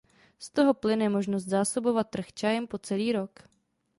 Z toho plyne možnost zásobovat trh čajem po celý rok.